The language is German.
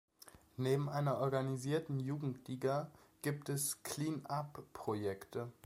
Neben einer organisierten Jugendliga gibt es "Clean-up-Projekte".